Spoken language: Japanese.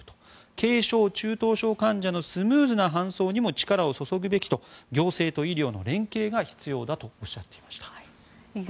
軽症・中等症患者のスムーズな搬送にも力を注ぐべきと行政と医療の連携が必要だとおっしゃっていました。